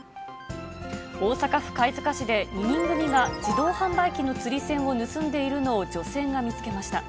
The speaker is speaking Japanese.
大阪府貝塚市で、２人組が自動販売機の釣り銭を盗んでいるのを女性が見つけました。